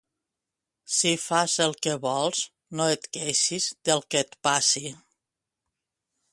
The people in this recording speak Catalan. Si fas el que vols no et queixis del que et passi.